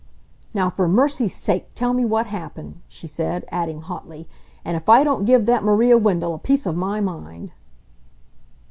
"Now, for mercy's sake, tell me what happened," she said, adding hotly, "and if I don't give that Maria Wendell a piece of my mind!"